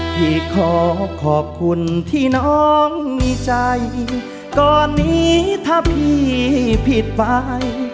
พี่ขอขอบคุณที่น้องมีใจก่อนนี้ถ้าพี่ผิดไป